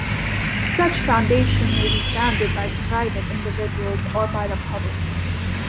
Such foundation may be founded by private individuals or by the public.